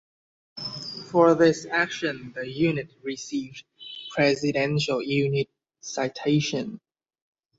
For this action the unit received the Presidential Unit Citation.